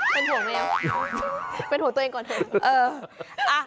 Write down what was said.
เป็นห่วงแมวเป็นห่วงตัวเองก่อนเถอะ